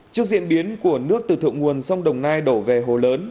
trước diễn biến của nước từ thượng nguồn sông đồng nai đổ về hồ lớn